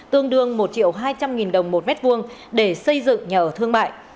tương đương một triệu hai trăm linh nghìn đồng một mét vuông để xây dựng nhà ở thương mại